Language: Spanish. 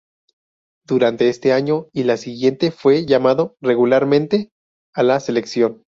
Durante este año y el siguiente fue llamado regularmente a la selección.